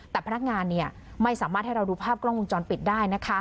แต่พนักงานไม่สามารถให้เราดูภาพกล้องวงจรปิดได้นะคะ